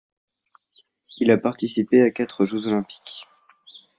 Il a participé à quatre Jeux olympiques.